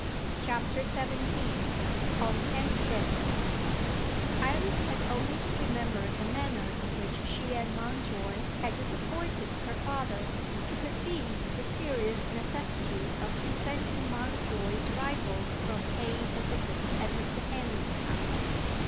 CHAPTER XVII ON HAMPSTEAD HEATH IRIS had only to remember the manner in which she and Mountjoy had disappointed her father, to perceive the serious necessity of preventing Mountjoy's rival from paying a visit at Mr. Henley's house.